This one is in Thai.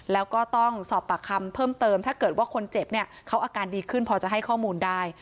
แล้วก็ต้องสอบปากคำเพิ่มเติมถ้าเกิดว่าคนเจ็บเนี่ยเขาอาการดีขึ้นพอจะให้ข้อมูลได้